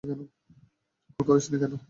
Call করিসনি কেন?